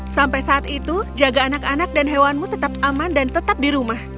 sampai saat itu jaga anak anak dan hewanmu tetap aman dan tetap di rumah